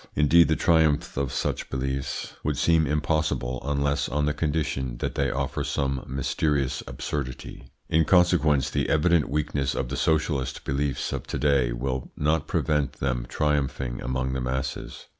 Indeed the triumph of such beliefs would seem impossible unless on the condition that they offer some mysterious absurdity. In consequence, the evident weakness of the socialist beliefs of to day will not prevent them triumphing among the masses.